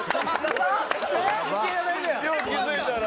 よう気づいたな。